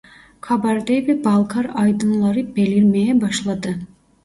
Kabardey ve Balkar aydınları belirmeye başladı.